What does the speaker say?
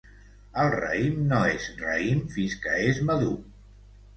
El raïm no és raïm fins que és madur.